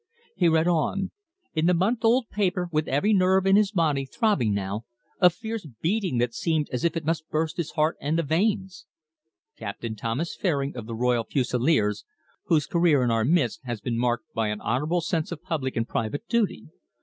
He read on, in the month old paper, with every nerve in his body throbbing now: a fierce beating that seemed as if it must burst the heart and the veins: " Captain Thomas Fairing, of the Royal Fusileers, whose career in our midst has been marked by an honourable sense of public and private duty.